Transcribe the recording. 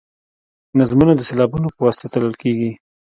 نظمونه د سېلابونو په واسطه تلل کیږي.